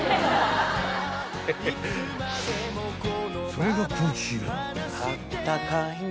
［それがこちら］